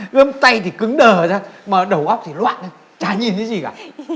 ươm tay thì cứng đờ ra mà đầu óc thì loạn chả nhìn cái gì cả